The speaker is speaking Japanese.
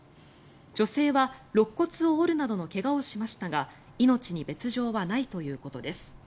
女性はろっ骨を折るなどの怪我をしましたが命に別条はないということです。